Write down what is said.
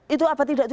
itu apa tidak